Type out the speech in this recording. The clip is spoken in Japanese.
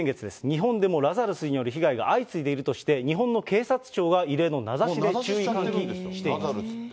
日本でもラザルスによる被害が相次いでいるとして、日本の警察庁が異例の名指しで注意喚起している。